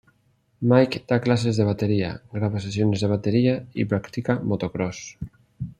Mike da clases de batería, graba sesiones de batería y practica motocross.